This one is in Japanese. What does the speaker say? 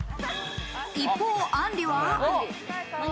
一方、あんりは。